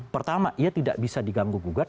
pertama ia tidak bisa diganggu gugat